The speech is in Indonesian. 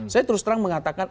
saya terus terang mengatakan